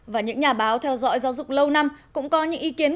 và những nhà báo theo dõi giáo dục lâu năm cũng có những ý kiến